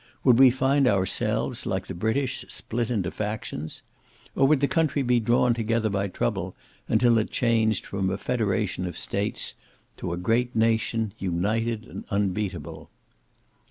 Would we find ourselves, like the British, split into factions? Or would the country be drawn together by trouble until it changed from a federation of states to a great nation, united and unbeatable?